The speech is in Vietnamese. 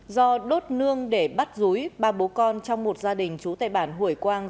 do đốt nương để bắt rúi ba bố con trong một gia đình trú tại bản hủy quang